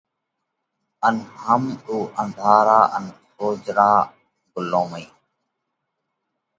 ان هم اُو انڌارا ان سوجھرا، ڳُلومِي